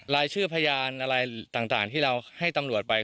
รายชื่อพยานอะไรต่างที่เราให้ตำรวจไป